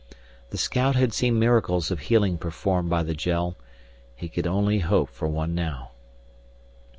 The scout had seen miracles of healing performed by the gel, he could only hope for one now.